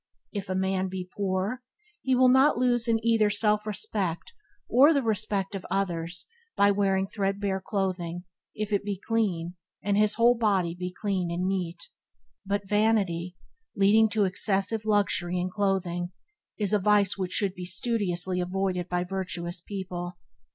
If a man be poor, he will not lose in either self respect or the respect of others by wearing threadbare clothing if it be clean and his whole body be clean and neat. But vanity, leading to excessive luxury in clothing, is a vice which should be studiously avoided by virtuous people.